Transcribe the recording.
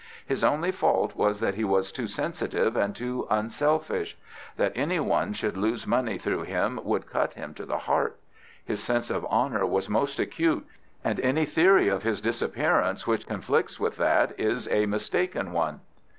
His only fault was that he was too sensitive and too unselfish. That any one should lose money through him would cut him to the heart. His sense of honour was most acute, and any theory of his disappearance which conflicts with that is a mistaken one."